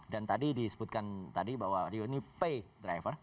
dan tadi disebutkan tadi bahwa rio ini pay driver